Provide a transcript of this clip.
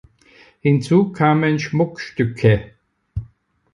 Hinzu kamen Schmuckstücke.